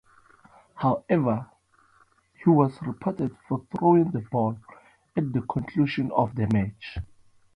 However, he was reported for throwing the ball at the conclusion of the match.